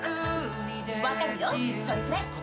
分かるよそれくらい。